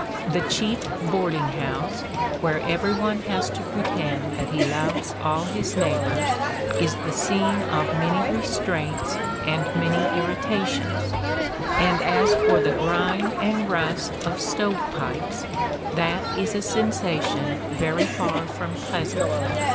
The "cheap boarding house," where every one has to pretend that he loves all his neighbors, is the scene of many restraints and many irritations; and as for the grime and rust of stove pipes, that is a sensation very far from pleasant.